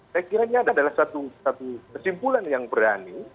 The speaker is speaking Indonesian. saya kiranya adalah satu kesimpulan yang berani